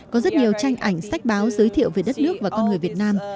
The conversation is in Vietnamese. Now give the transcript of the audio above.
có rất nhiều tranh ảnh sách báo giới thiệu về đất nước và con người việt nam